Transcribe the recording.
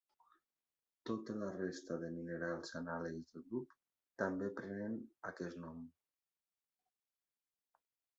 Tota la resta de minerals anàlegs del grup també prenen aquest nom.